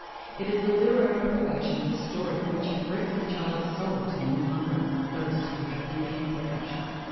It is the literary perfection of a story which pricks a child's soul to new hunger and thirst after beauty and perfection.